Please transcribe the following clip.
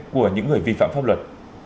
của những người vi phạm pháp luật